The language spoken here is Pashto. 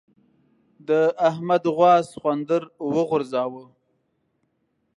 د احمد غوا سخوندر وغورځاوو.